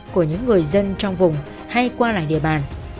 của những người dân trong vùng hay qua lại địa bàn